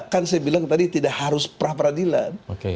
kan saya bilang tadi tidak harus pra peradilan